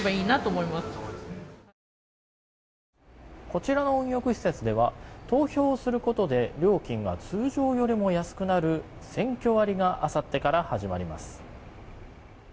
こちらの温浴施設では投票をすることで料金が通常より安くなる選挙割があさってから始まります。